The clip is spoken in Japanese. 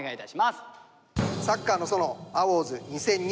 「サッカーの園アウォーズ２０２２」